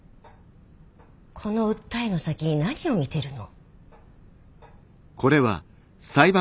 この訴えの先に何を見てるの？